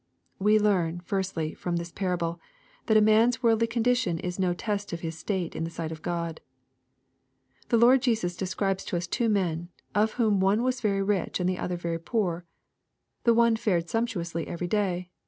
We learn, firstly, from this parable, that a marCs worldly condition is no test of his state in the sight of God. The Lord Jesus describes to us two men, of whom one was very rich, and the other very poor. The one " fared sumptuously every day.'